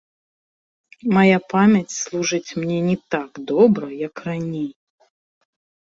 Мая памяць служыць мне не так добра, як раней.